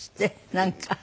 なんか。